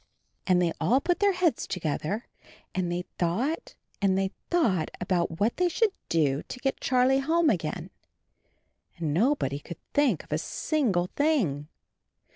44 CHARLIE And they all put their heads together and they thought and they thought about what they should do to get Charlie home again — and nobody could think of a single thing.